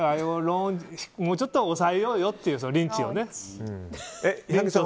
もうちょっと抑えようよっていうリンチをさ。